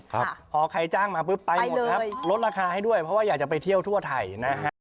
ครับพอใครจ้างมาปุ๊บไปหมดครับลดราคาให้ด้วยเพราะว่าอยากจะไปเที่ยวทั่วไทยนะฮะ